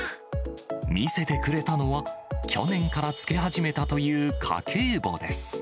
見せてくれたのは去年からつけ始めたという家計簿です。